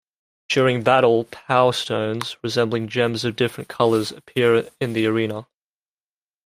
During battle, "Power Stones", resembling gems of different colors, appear in the arena.